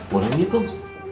boleh nih kum